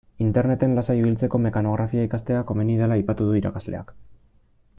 Interneten lasai ibiltzeko mekanografia ikastea komeni dela aipatu du irakasleak.